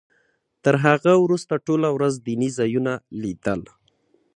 تر هغه وروسته ټوله ورځ دیني ځایونه لیدل.